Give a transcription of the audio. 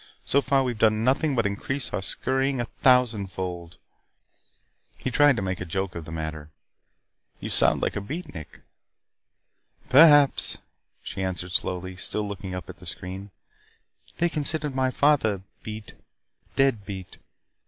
So far, we have done nothing but increase our scurrying a thousand fold." He tried to make a joke of the matter. "You sound like a beatnik." "Perhaps," she answered slowly, still looking up at the screen. "They considered my father beat dead beat.